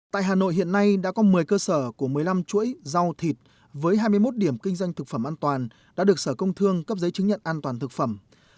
tại hà nội hiện nay đã có một mươi cơ sở của một mươi năm chuỗi rau thịt với hai mươi một điểm kinh doanh thực phẩm an toàn đã được sở công thương cấp giấy chứng nhận an toàn thực phẩm